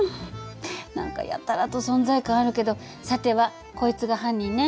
何かやたらと存在感あるけどさてはこいつが犯人ね。